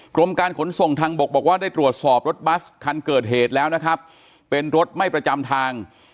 กรมการขนส่งทางบกบอกว่าได้ตรวจสอบรถบัสคันเกิดเหตุแล้วนะครับเป็นรถไม่ประจำทาง